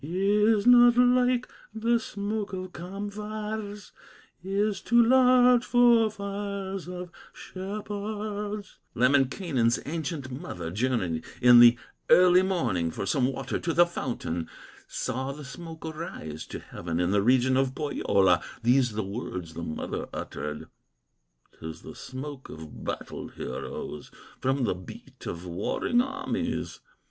Is not like the smoke of camp fires, Is too large for fires of shepherds!" Lemminkainen's ancient mother Journeyed in the early morning For some water to the fountain, Saw the smoke arise to heaven, In the region of Pohyola, These the words the mother uttered: "'Tis the smoke of battle heroes, From the heat of warring armies!"